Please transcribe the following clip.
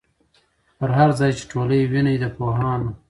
پر هر ځای چي ټولۍ وینی د پوهانو